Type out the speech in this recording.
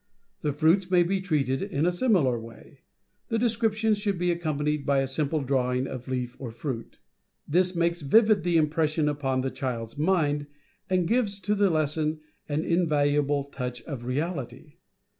The fruits may be treated in a similar way. The descrip tion should be accompanied by a simple drawing of leaf or fruit. This makes vivid the impression upon the child's mind and gives to the lesson an invalu able touch of reality.